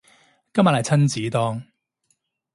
今晚係親子丼